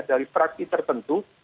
dari prakti tertentu